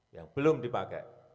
yang belum dipakai